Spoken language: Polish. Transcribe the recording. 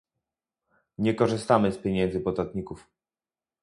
Nie korzystamy z pieniędzy podatników